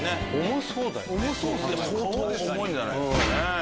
重いんじゃないですかね。